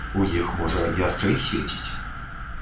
У іх, можа, ярчэй свеціць.